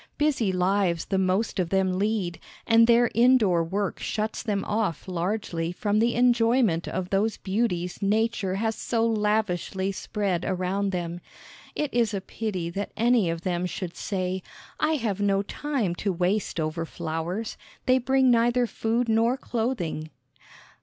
Busy lives the most of them lead, and their indoor work shuts them off largely from the enjoyment of those beauties nature has so lavishly spread around them. It is a pity that any of them should say, "I have no time to waste over flowers; they bring neither food nor clothing."